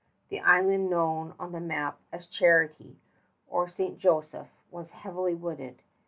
The island known on the map as Charity, or St. Joseph, was heavily wooded.